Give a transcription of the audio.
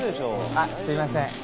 あっすいません。